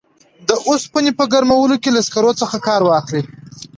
د اوسپنې په ګرمولو کې له سکرو څخه کار واخلي.